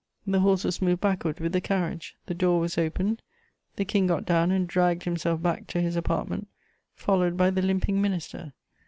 The horses moved backward with the carriage; the door was opened, the King got down and dragged himself back to his apartment, followed by the limping minister.